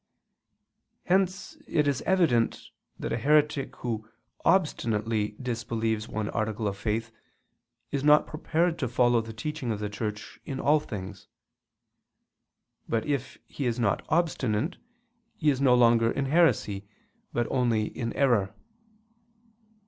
Hence it is evident that a heretic who obstinately disbelieves one article of faith, is not prepared to follow the teaching of the Church in all things; but if he is not obstinate, he is no longer in heresy but only in error.